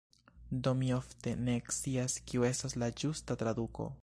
Do mi ofte ne scias, kiu estas la ĝusta traduko.